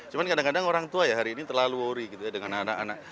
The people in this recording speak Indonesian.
cuma kadang kadang orang tua ya hari ini terlalu worry gitu ya dengan anak anak